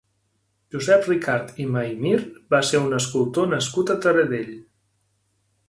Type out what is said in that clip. Josep Ricart i Maymir va ser un escultor nascut a Taradell.